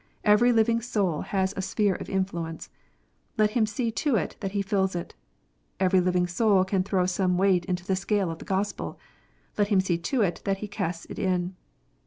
Every living soul has a sphere of influence. Let him see to it that he fills it. Every living soul can throw some weight into the scale of the Gospel. Let him see to it that he casts it in.